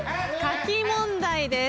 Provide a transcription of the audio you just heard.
書き問題です。